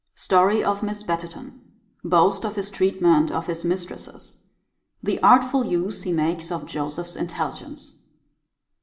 Story of Miss Betterton. Boast of his treatment of his mistresses. The artful use he makes of Joseph's intelligence.